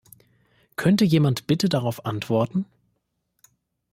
Könnte jemand bitte darauf antworten?